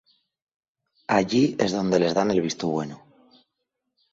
Allí es donde les dan el visto bueno.